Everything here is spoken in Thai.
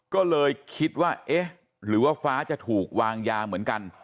ก็เลยคิดว่าเอ๊ะหรือว่าฟ้าจะถูกวางยาเหมือนกัน